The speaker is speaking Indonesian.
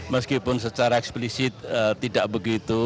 meskipun secara eksplisit tidak begitu